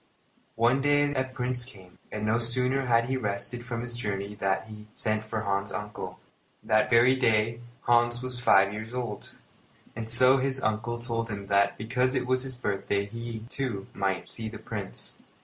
One day a Prince came, and no sooner had he rested from his journey than he sent for Hans's uncle. That very day Hans was five years old, and so his uncle told him that because it was his birthday, he, too, might go to see the Prince.